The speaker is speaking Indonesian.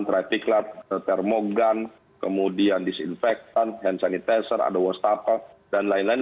traffic light termogan kemudian disinfektan hand sanitizer ada wastafel dan lain lain